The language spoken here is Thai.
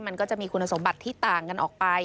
มันก็จะมีคุณสมบัติที่ต่างกันออกไป